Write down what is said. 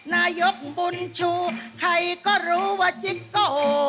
นายกบุญชูใครก็รู้ว่าจิ๊กโก